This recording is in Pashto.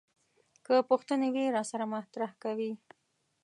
که پوښتنې وي راسره مطرح کوي.